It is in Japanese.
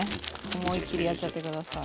思いっきりやっちゃって下さい。